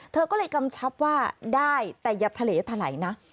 เธอก็เลยกำชับว่าได้แต่อย่าทะเลทะไหลนะ